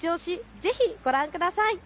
ぜひ、ご覧ください。